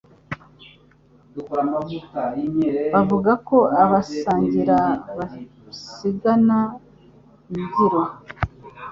bavuga ko Abasangira basigana imbyiro.